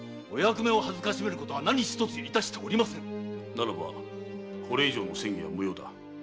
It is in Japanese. ならばこれ以上の詮議は無用だ。